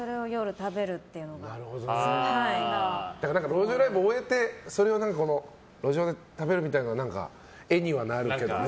路上ライブを終えて路上で食べるみたいなのは何か絵にはなるけどね。